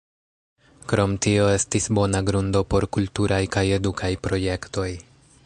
Krom tio estis bona grundo por kulturaj kaj edukaj projektoj.